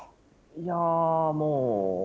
いやもう。